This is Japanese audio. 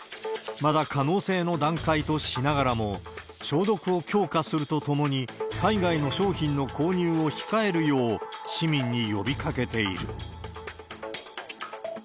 まだ可能性の段階としながらも、消毒を強化するとともに、海外の商品の購入を控えるよう、市民に呼びかけている。